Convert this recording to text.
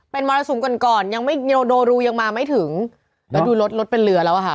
เป็นมรสุมก่อนโดรูยังมาไม่ถึงแล้วดูรถรถเป็นเหลือแล้วอ่ะค่ะ